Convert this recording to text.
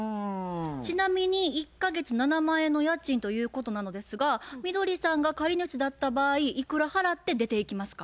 ちなみに１か月７万円の家賃ということなのですがみどりさんが借り主だった場合いくら払って出ていきますか？